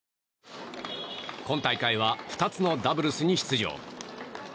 今大会は２つのダブルスに出場。